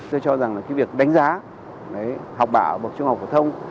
tôi cho rằng là cái việc đánh giá học bả ở bậc trung học phổ thông